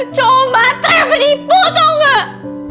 comotra beripu tau gak